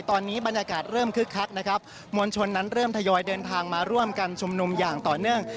ตอนนี้บรรยากาศเริ่มคึกคักนะครับมวลชนนั้นเริ่มทยอยเดินทางมาร่วมกันชุมนุมอย่างต่อเนื่อง